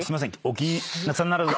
お気になさらず。